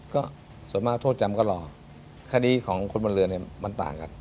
ก็ส่วนมากโทษจำก็หลอกคดีของคนบรรเวิร์นมันต่างกัน